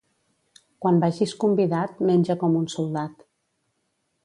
Quan vagis convidat, menja com un soldat.